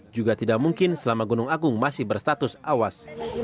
juga tidak mungkin selama gunung agung masih berstatus awas